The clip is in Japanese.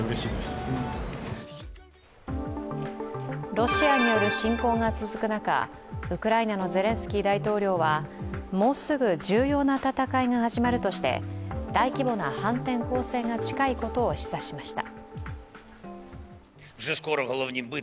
ロシアによる侵攻が続く中、ウクライナのゼレンスキー大統領はもうすぐ重要な戦いが始まるとして大規模な反転攻勢が近いことを示唆しました。